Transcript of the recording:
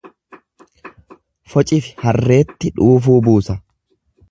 Focifi harreetti dhuufuu buusa.